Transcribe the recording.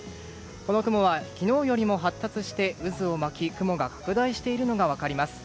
この雲は昨日よりも発達して渦を巻き雲が拡大しているのが分かります。